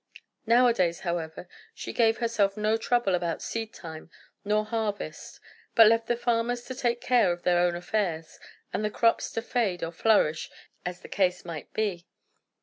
Nowadays, however, she gave herself no trouble about seed time nor harvest, but left the farmers to take care of their own affairs, and the crops to fade or flourish, as the case might be.